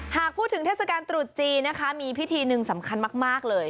หากพูดถึงเทศกาลตรุษจีนนะคะมีพิธีหนึ่งสำคัญมากเลย